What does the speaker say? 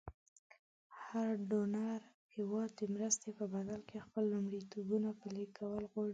هر ډونر هېواد د مرستې په بدل کې خپل لومړیتوبونه پلې کول غواړي.